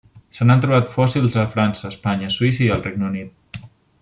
Se n'han trobat fòssils a França, Espanya, Suïssa i el Regne Unit.